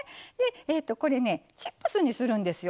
これねチップスにするんですよ。